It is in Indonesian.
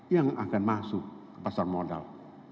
yang akan masuk ke pasar modal